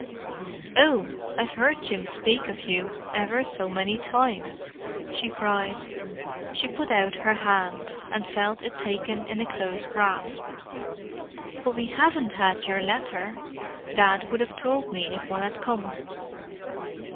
"Oh—I've heard Jim speak of you ever so many times," she cried. She put out her hand, and felt it taken in a close grasp. "But we haven't had your letter. Dad would have told me if one had come."